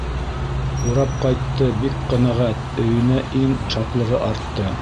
Урап ҡайтты, Бик ҡәнәғәт Өйөнә иң Шатлығы артты!